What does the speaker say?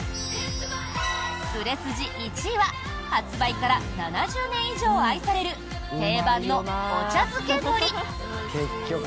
売れ筋１位は発売から７０年以上愛される定番のお茶漬け海苔。